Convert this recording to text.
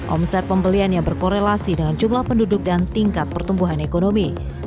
omset pembelian yang berkorelasi dengan jumlah penduduk dan tingkat pertumbuhan ekonomi